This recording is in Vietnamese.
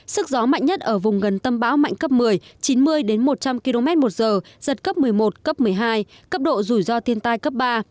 sức gió mạnh nhất ở vùng gần tâm bão mạnh cấp một mươi chín mươi một trăm linh km một giờ giật cấp một mươi một cấp một mươi hai cấp độ rủi ro thiên tai cấp ba